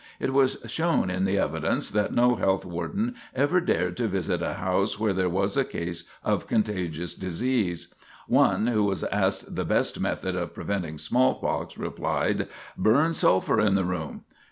It was shown in the evidence that no health warden ever dared to visit a house where there was a case of contagious disease. One, who was asked the best method of preventing smallpox, replied: "Burn sulphur in the room."